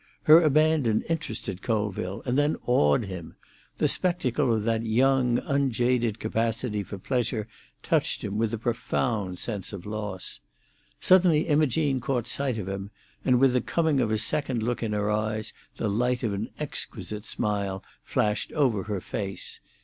Her abandon interested Colville, and then awed him; the spectacle of that young, unjaded capacity for pleasure touched him with a profound sense of loss. Suddenly Imogene caught sight of him, and with the coming of a second look in her eyes the light of an exquisite smile flashed over her face.